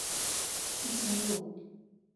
一心路